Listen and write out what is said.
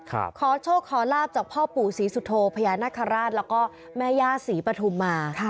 ขอโชคขอลาบจากพ่อปู่ศรีสุโธพญานาคาราชแล้วก็แม่ย่าศรีปฐุมมา